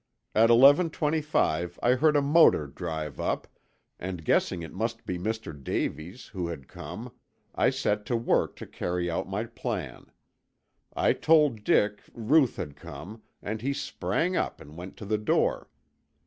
"At eleven twenty five I heard a motor drive up, and guessing it must be Mr. Davies who had come, I set to work to carry out my plan. I told Dick Ruth had come, and he sprang up and went to the door.